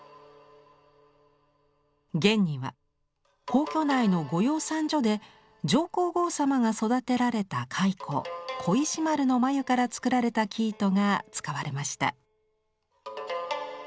弦には皇居内の御養蚕所で上皇后様が育てられた蚕小石丸の繭から作られた生糸が使われました。